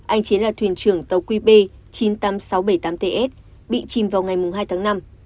anh chiến là thuyền trưởng tàu qb chín mươi tám nghìn sáu trăm bảy mươi tám ts bị chìm vào ngày hai tháng năm